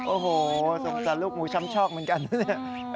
โอ้โฮสงสัยลูกหมูช้ำชอกเหมือนกันนะ